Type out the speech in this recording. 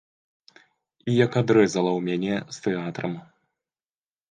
І як адрэзала ў мяне з тэатрам.